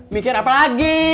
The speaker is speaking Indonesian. mikir apa lagi